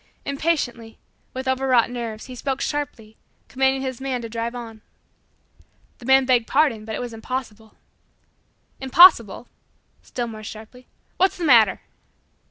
Impatiently with overwrought nerves he spoke sharply, commanding his man to drive on. The man begged pardon but it was impossible. "Impossible," still more sharply, "what's the matter?"